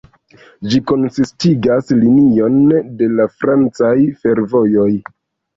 Ĝi konsistigas linion de la francaj fervojoj.